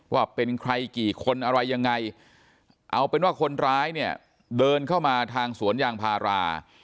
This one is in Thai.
ว่าเป็นใครกี่คนอะไรยังไงเอาเป็นว่าคนร้ายเนี่ยเดินเข้ามาทางสวนยางพารา